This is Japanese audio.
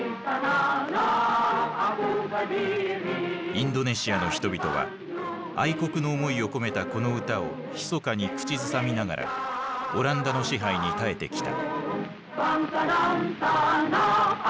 インドネシアの人々は愛国の思いを込めたこの歌をひそかに口ずさみながらオランダの支配に耐えてきた。